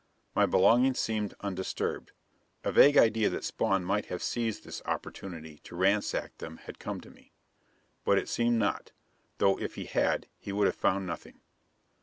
My belongings seemed undisturbed; a vague idea that Spawn might have seized this opportunity to ransack them had come to me. But it seemed not; though if he had he would have found nothing.